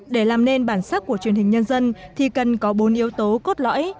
để làm nên bản sắc của truyền hình nhân dân thì cần có bốn yếu tố cốt lõi